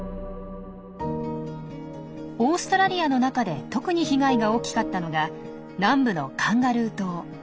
オーストラリアの中で特に被害が大きかったのが南部のカンガルー島。